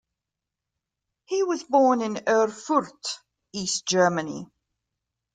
He was born in Erfurt, East Germany.